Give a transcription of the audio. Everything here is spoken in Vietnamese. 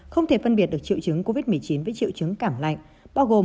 không thể phân biệt được triệu chứng covid một mươi chín với triệu chứng cảm lạnh thông thường